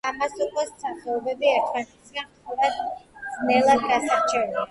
ქამასოკოს სახეობები ერთმანეთისაგან ხშირად ძნელად გასარჩევია.